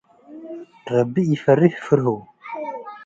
ረቢ ኢፈርህ ፍርሁ።